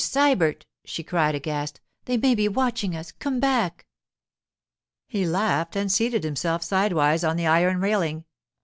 Sybert!' she cried aghast. 'They may be watching us. Come back.' He laughed and seated himself sidewise on the iron railing.